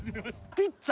ピッツァ？